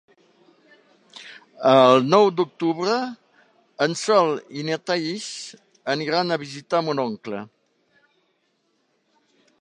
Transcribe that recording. El nou d'octubre en Sol i na Thaís aniran a visitar mon oncle.